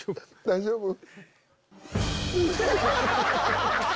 大丈夫？